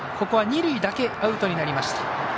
ここは二塁だけアウトになりました。